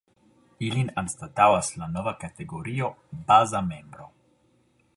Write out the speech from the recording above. Ilin anstataŭas la nova kategorio ”baza membro”.